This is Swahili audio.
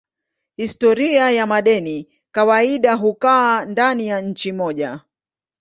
Historia ya madeni kawaida hukaa ndani ya nchi moja.